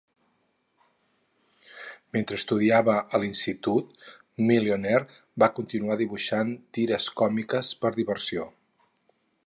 Mentre estudiava a l'institut, Millionaire va continuar dibuixant tires còmiques per diversió.